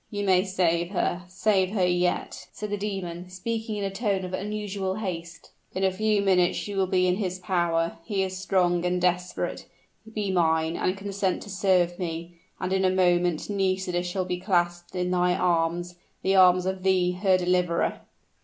"You may save her save her yet," said the demon, speaking in a tone of unusual haste. "In a few minutes she will be in his power he is strong and desperate; be mine, and consent to serve me and in a moment Nisida shall be clasped in thy arms the arms of thee, her deliverer."